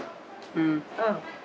うん。